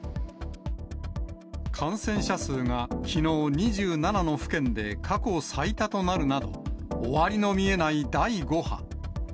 感染者数がきのう２７の府県で過去最多となるなど、終わりの見えない第５波。